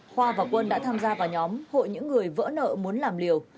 khoa và quân đã tham gia vào nhóm hội những người vỡ nợ muốn làm liều